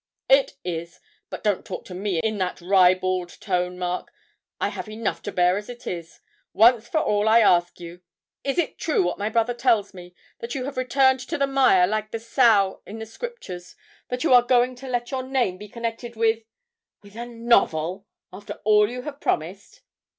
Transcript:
'It is; but don't talk to me in that ribald tone, Mark; I have enough to bear as it is. Once for all I ask you, Is it true what my brother tells me, that you have returned to the mire like the sow in the Scriptures; that you are going to let your name be connected with with a novel, after all you have promised?'